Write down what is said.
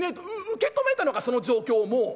受け止めたのかその状況をもう。